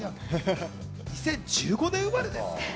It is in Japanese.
２０１５年生まれです。